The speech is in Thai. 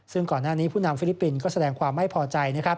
ซึ่งก่อนหน้านี้ผู้นำฟิลิปปินส์ก็แสดงความไม่พอใจ